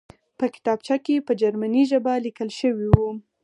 په کتابچه کې په جرمني ژبه لیکل شوي وو